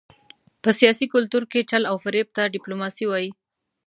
په سیاسي کلتور کې چل او فرېب ته ډیپلوماسي وايي.